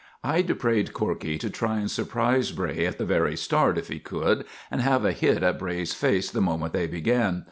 I'd prayed Corkey to try and surprise Bray at the very start if he could, and have a hit at Bray's face the moment they began.